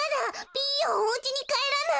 ピーヨンおうちにかえらない。